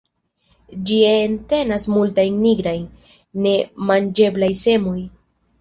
Ĝi entenas multajn nigraj, ne manĝeblaj semoj.